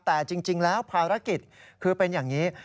แต่จริงแล้วภารกิจคือเป็นอย่างนี้